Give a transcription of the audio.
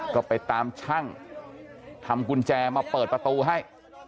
ก็ไปตามช่างทำกุญแจมาเปิดประตูให้